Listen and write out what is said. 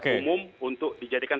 umum untuk dijadikan